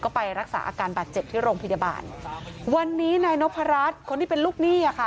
ก็ไปรักษาอาการบาดเจ็บที่โรงพยาบาลวันนี้นายนพรัชคนที่เป็นลูกหนี้อ่ะค่ะ